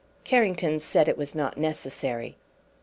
Carrington said it was not necessary.